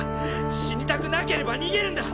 死にたくなければ逃げるんだ。